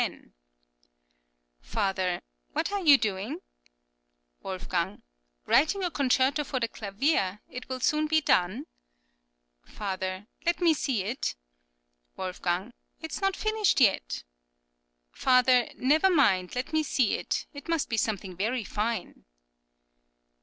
{SCHACHTNER'S LETTER.} (23) Father: What are you doing? Wolfg.: Writing a concerto for the clavier; it will soon be done. Father: Let me see it. Wolfg.: It is not finished yet. Father: Never mind; let me see it. It must be something very fine.